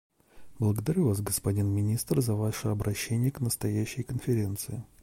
Благодарю Вас, господин министр, за ваше обращение к настоящей Конференции.